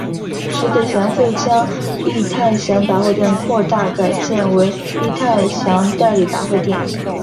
迟子祥遂将益泰祥杂货店扩大改建为益泰祥代理杂货店。